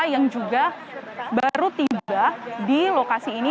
yang juga baru tiba di lokasi ini